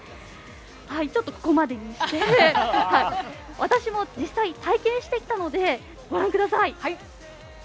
ちょっとここまでにして私も実際に体験してきたのでご覧ください。